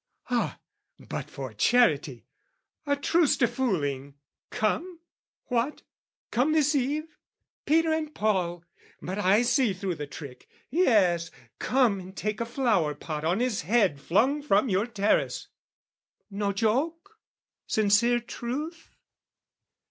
Ah, but, for charity, "A truce to fooling! Come? What, come this eve? "Peter and Paul! But I see through the trick "Yes, come, and take a flower pot on his head "Flung from your terrace! No joke, sincere truth?"